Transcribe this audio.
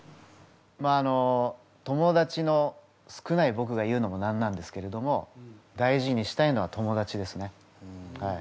まああの友だちの少ない僕が言うのもなんなんですけれども大事にしたいのは友だちですね。